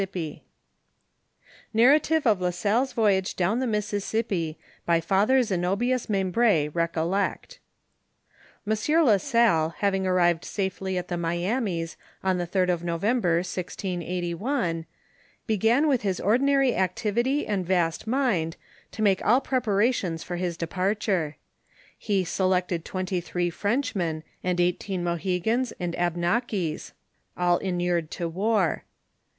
1 v:m m NARRATIVE OF LA SALLE'S VOYAGE DOWN THE MISSISSIPPI, ■■ BY FATHER ZENOBITJS MEMBRi, RECOLLECT. MLA SALLE having arrived safely at the Miamies on , the 3d of November, 1681, began with his ordinary activity and vast mind, to make all preparations for l^adlEKt , parture. He selected twenty three Frenchmen, and eigbSl^ Mohegans and Abnakis,* all inured to war.